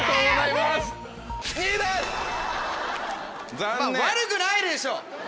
まぁ悪くないでしょ！